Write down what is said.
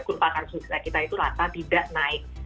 kurva kasus kita itu rata tidak naik